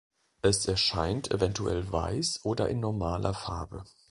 Es erscheint eventuell weiß oder in normaler Farbe.